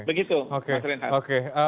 begitu mas rintas